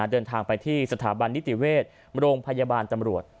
เดินทางไปที่สถาบันนิติเวชโรงพยาบาลตำรวจ